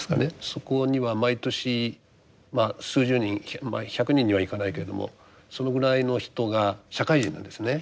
そこには毎年数十人１００人にはいかないけれどもそのぐらいの人が社会人なんですね